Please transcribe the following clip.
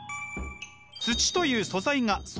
土という素材が外。